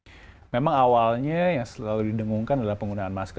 ya memang awalnya yang selalu didengungkan adalah penggunaan masker